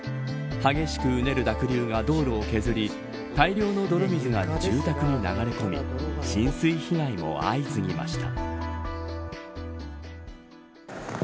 激しくうねる濁流が道路を削り大量の泥水が住宅に流れ込み浸水被害も相次ぎました。